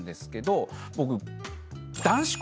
僕。